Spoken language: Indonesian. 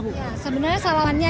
ya sebenarnya salamannya